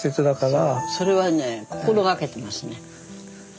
それはね心掛けてますね。